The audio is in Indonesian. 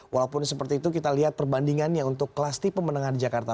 walaupun seperti itu kita lihat perbandingannya untuk kelas tipe menengah di jakarta